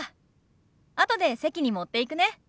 あとで席に持っていくね。